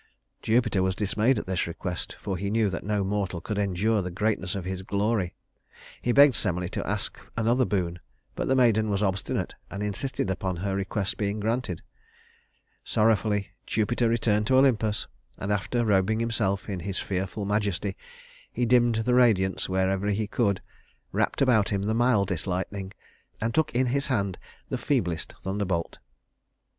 Jupiter was dismayed at this request, for he knew that no mortal could endure the greatness of his glory. He begged Semele to ask another boon; but the maiden was obstinate, and insisted upon her request being granted. Sorrowfully Jupiter returned to Olympus, and after robing himself in his fearful majesty, he dimmed the radiance wherever he could, wrapped about him the mildest lightning, and took in his hand the feeblest thunderbolt.